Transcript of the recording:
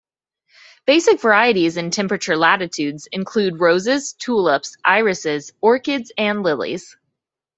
Basic varieties in temperate latitudes include roses, tulips, irises, orchids and lilies.